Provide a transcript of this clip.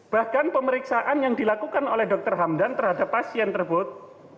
bahkan pemeriksaan yang dilakukan oleh dr hamdan terhadap pasien tersebut